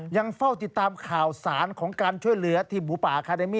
ยังเฝ้าติดตามข่าวสารของการช่วยเหลือทีมหมูป่าอาคาเดมี่